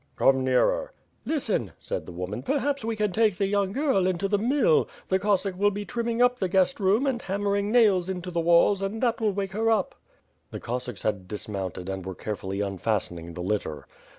"Come nearer." "Listen," said the woman, "perhaps we can take the young girl into the mill, the Cossack will be trimming up the guest room and hammering nails into the walls and that will wake her up." The Cossacks had dismounted and were carefully unfasten ing the litter.